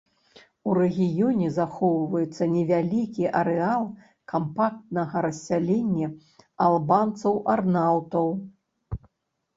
У рэгіёне захоўваецца невялікі арэал кампактнага рассялення албанцаў-арнаўтаў.